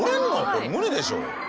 無理でしょ！